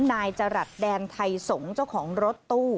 นายจรัสแดนไทยสงศ์เจ้าของรถตู้